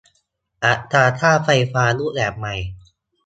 อัตราค่าไฟฟ้ารูปแบบใหม่